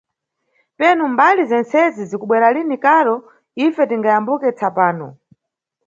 Penu mbali zentsezi zikubwera lini karo, ife tingayambuke tsapano.